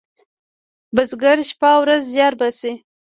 بزگر شپه او ورځ زیار باسي.